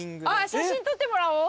写真撮ってもらおう。